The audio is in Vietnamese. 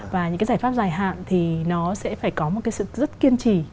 và những cái giải pháp dài hạn thì nó sẽ phải có một cái sự rất kiên trì